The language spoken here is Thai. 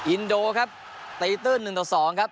อินโดครับตีตื้น๑ต่อ๒ครับ